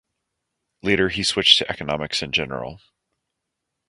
Later he switched to economics in general.